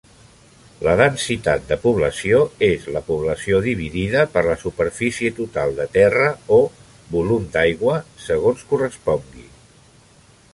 La densitat de població és la població dividida per la superfície total de terra o volum d'aigua, segons correspongui.